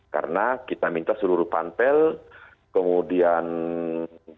karena kita minta seluruh pantel kemudian bahkan ada beberapa tim pantel yang